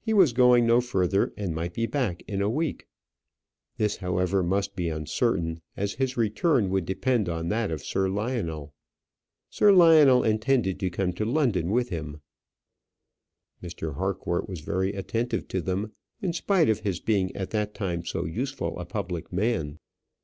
He was going no further, and might be back in a week. This however must be uncertain, as his return would depend on that of Sir Lionel. Sir Lionel intended to come to London with him. Mr. Harcourt was very attentive to them in spite of his being at that time so useful a public man.